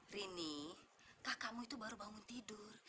rini kak kamu itu baru bangun tidur